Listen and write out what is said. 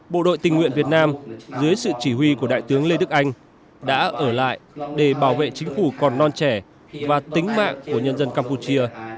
bộ đội tình nguyện việt nam dưới sự chỉ huy của đại tướng lê đức anh đã ở lại để bảo vệ chính phủ còn non trẻ và tính mạng của nhân dân campuchia